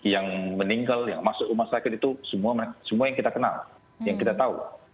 yang meninggal yang masuk rumah sakit itu semua yang kita kenal yang kita tahu